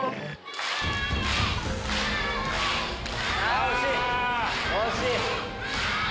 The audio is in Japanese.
あ惜しい！